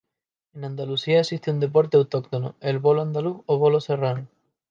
En Andalucía existe un deporte autóctono: el bolo andaluz o bolo serrano.